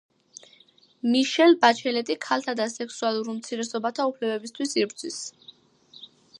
მიშელ ბაჩელეტი ქალთა და სექსუალურ უმცირესობათა უფლებებისთვის იბრძვის.